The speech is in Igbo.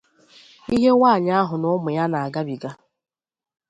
ihe nwaanyị ahụ na ụmụ ya na-agabiga